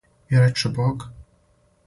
И рече Бог